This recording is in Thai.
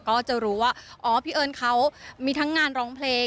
ก็จะรู้ว่าอ๋อพี่เอิญเขามีทั้งงานร้องเพลง